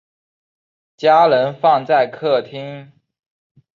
家人放在客厅